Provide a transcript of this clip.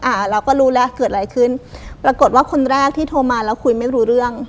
อ่าเราก็รู้แล้วเกิดอะไรขึ้นปรากฏว่าคนแรกที่โทรมาแล้วคุยไม่รู้เรื่อง